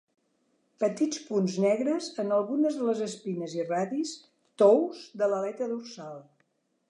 Petits punts negres en algunes de les espines i radis tous de l'aleta dorsal.